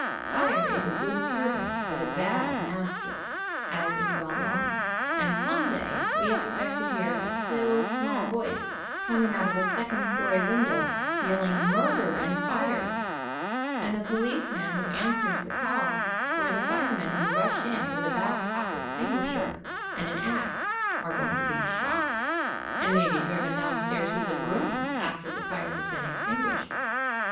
Looking for an ice wagon. are "Fire is a good serv ant, but a bad mas ter," as is well known, and some day we expect to hear a still small voice 'coming out of a second story win dow, yelling murder and fire, and the policeman who answers the call, or the firemen who rush in with a Babcock extinguisher, and an axe, are going to be shocked, and may be driven downstairs with a broom after the fire has been extinguished.